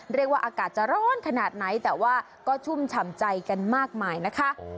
อากาศจะร้อนขนาดไหนแต่ว่าก็ชุ่มฉ่ำใจกันมากมายนะคะ